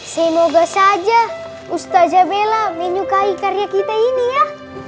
semoga saja ustazah bella menyukai karya kita ini ya